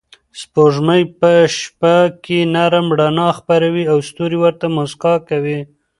سپوږمۍ په شپه کې نرم رڼا خپروي او ستوري ورته موسکا کوي.